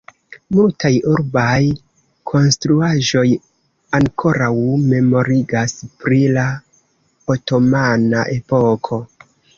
Multaj urbaj konstruaĵoj ankoraŭ memorigas pri la otomana epoko.